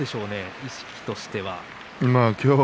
意識としては。